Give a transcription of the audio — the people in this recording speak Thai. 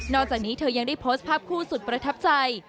จากนี้เธอยังได้โพสต์ภาพคู่สุดประทับใจ